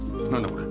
これ。